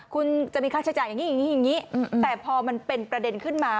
คุณจะมีค่าใช้จ่ายอย่างนี้แต่พอมันเป็นประเด็นขึ้นมา